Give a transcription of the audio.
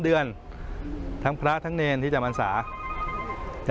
เดือนทั้งพระทั้งเนรที่จะบรรษาจะ